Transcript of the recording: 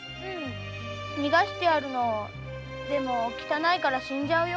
逃がしてやるのでも汚いから死んじゃうよ。